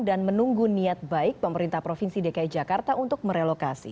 dan menunggu niat baik pemerintah provinsi dki jakarta untuk merelokasi